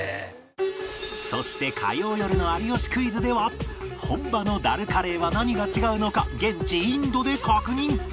そして火曜よるの『有吉クイズ』では本場のダルカレーは何が違うのか現地インドで確認